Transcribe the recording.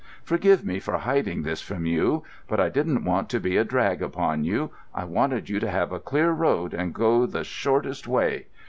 Forgive me for hiding this from you; but I didn't want to be a drag upon you. I wanted you to have a clear road and go the shortest way.